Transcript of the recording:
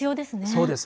そうです。